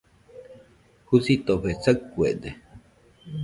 Jusitofe saɨkuede.